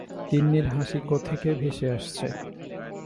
তিন্নির হাসি কোথেকে ভেসে আসছে?